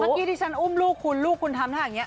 เมื่อกี้ที่ฉันอุ้มลูกคุณลูกคุณทำถ้าอย่างเนี่ย